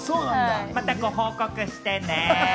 またご報告してね。